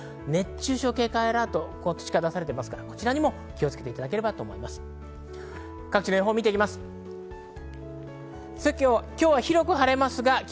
熱中症警戒アラートが出されていますから、こちらにも気をつけていただきたいと思います。